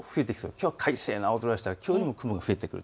きょうは快晴の青空でしたがきょうよりも雲が増えてくる。